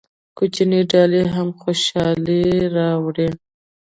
کوچنۍ ډالۍ هم خوشحالي راوړي.